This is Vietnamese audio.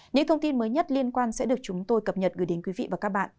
những thông tin mới nhất liên quan sẽ được chúng tôi cập nhật gửi đến quý vị và các bạn